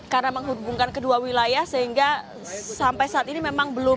karena menghubungkan kedua wilayah sehingga sampai saat ini memang belum